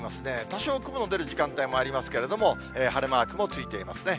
多少、雲の出る時間帯もありますけれども、晴れマークもついていますね。